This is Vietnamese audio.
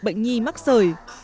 bệnh nhi mắc sởi